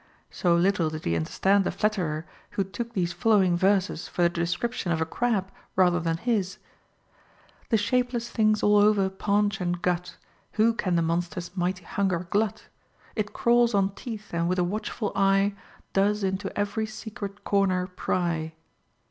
So little did he understand the flatterer who took these following verses for the de scription of a crab rather than his :— The shapeless thing's all over paunch and gut : Who can the monster's mighty hunger glut ? It crawls on teeth, and with a watchful eye Does into every secret corner pry.